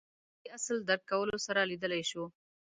دې اصل درک کولو سره لیدلای شو